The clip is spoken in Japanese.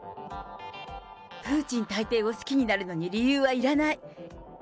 プーチン大帝を好きになるのに理由はいらない。